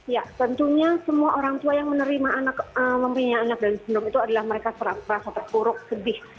ya tentunya semua orang tua yang menerima anak mempunyai anak dan sindrom itu adalah mereka merasa terpuruk sedih